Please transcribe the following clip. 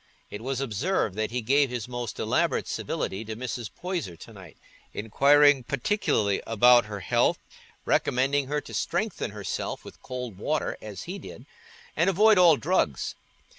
It was observed that he gave his most elaborate civility to Mrs. Poyser to night, inquiring particularly about her health, recommending her to strengthen herself with cold water as he did, and avoid all drugs.